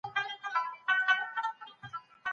د سردرد یادښت وختونه ښودلی شي.